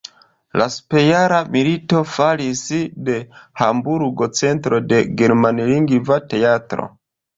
La Sepjara milito faris de Hamburgo centro de germanlingva teatro.